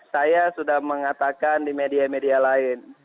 saya sudah mengatakan di media media lain